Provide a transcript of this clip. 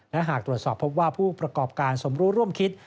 และหากตรวจสอบพบว่าผู้ประกอบการสมรู้ร่วมคิด